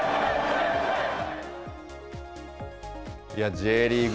Ｊリーグ